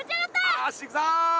よし行くぞ。